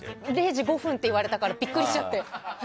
０時５分って言われたからビックリしちゃって。